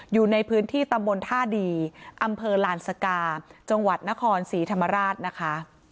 อยู่ในพื้นที่ตำบลท่าดีอำเภอลานสกาจังหวัดนครศรีธรรมราชนะคะ